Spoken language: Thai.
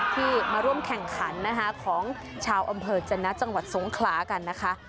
ที่มาร่วมแข่งขันนะคะของชาวอำเภอจนะจังหวัดสงขลากันนะคะ